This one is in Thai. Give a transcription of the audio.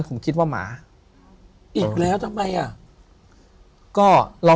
ถูกต้องไหมครับถูกต้องไหมครับ